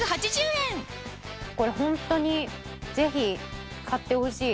これホントにぜひ買ってほしい。